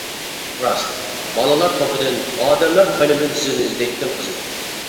راست، بالىلار توپىدىن، ئادەملەر قاينىمىدىن سىزنى ئىزدەيتتىم قىزىم.